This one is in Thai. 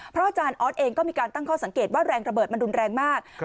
อาจารย์ออสเองก็มีการตั้งข้อสังเกตว่าแรงระเบิดมันรุนแรงมาก